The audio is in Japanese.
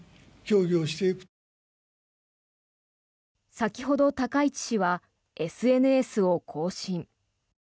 先ほど、高市氏はＳＮＳを更新。